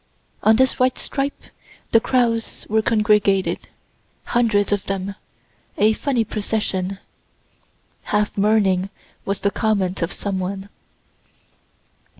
On this white stripe the crows were congregated, hundreds of them a funny procession ("half mourning" was the comment of some one.)